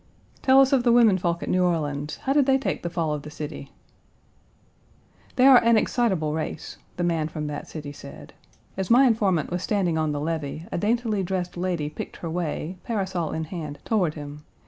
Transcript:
"Tell us of the women folk at New Orleans; how did they take the fall of the city?" "They are an excitable race," the man from that city said. As my informant was standing on the levee a daintily dressed lady picked her way, parasol in hand, toward him.